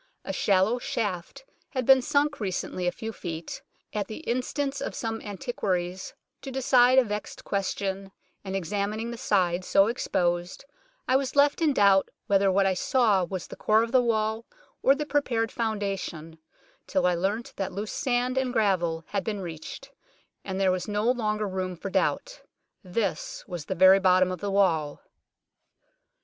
A shallow shaft had been sunk recently a few feet, at the instance of some antiquaries, to decide a vexed question, and examining the side so exposed, I was left in doubt whether what I saw was the core of the wall or the prepared founda tion, till I leamt that loose sand and gravel had been reached, and there was no longer room for doubt. This was the very bottom of the wall.